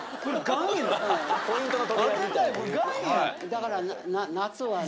だから夏はね。